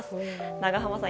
長濱さん